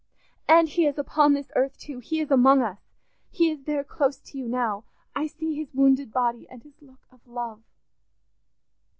And he is upon this earth too; he is among us; he is there close to you now; I see his wounded body and his look of love."